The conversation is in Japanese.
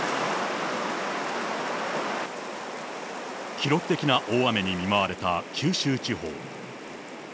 記録的な大雨に見舞われた九州地方。